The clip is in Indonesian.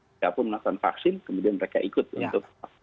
siapapun melakukan vaksin kemudian mereka ikut untuk